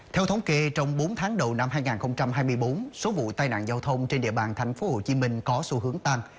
theo thống kê trong bốn tháng đầu năm hai nghìn hai mươi bốn số vụ tai nạn giao thông trên địa bàn tp hcm có xu hướng tăng